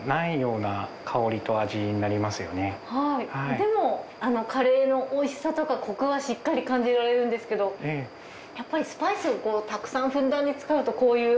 でもカレーの美味しさとかコクはしっかり感じられるんですけどやっぱりスパイスをたくさんふんだんに使うとこういう。